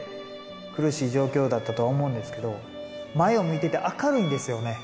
苦しい状況だったとは思うんですけど、前を向いてて明るいんですよね。